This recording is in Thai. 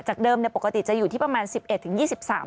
จากเดิมปกติจะอยู่ที่ประมาณ๑๑๒๓บาท